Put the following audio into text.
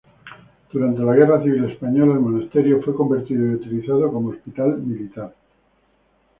Durante la Guerra Civil Española el monasterio fue convertido y utilizado como hospital militar.